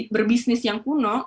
berbisnis yang kuno